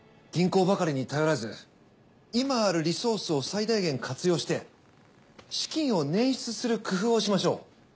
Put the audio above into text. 銀行ばかりに頼らず今あるリソースを最大限活用して資金を捻出する工夫をしましょう。